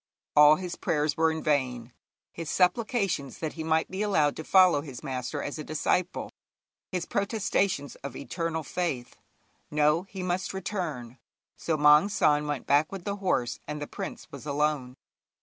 All his prayers were in vain; his supplications that he might be allowed to follow his master as a disciple; his protestations of eternal faith. No, he must return; so Maung San went back with the horse, and the prince was alone.